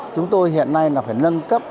chúng tôi hiện nay là phải nâng cấp